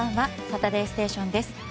「サタデーステーション」です。